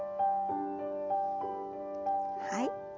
はい。